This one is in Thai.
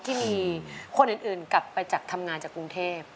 ที่มีคนอื่นกลับไปจากทำงานจากกรุงเทพ